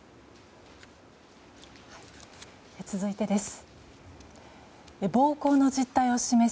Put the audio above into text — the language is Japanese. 続いてです。